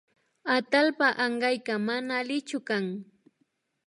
Atallpa ankayka mana allichu kan